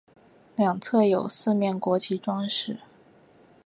两侧有四面国旗装饰。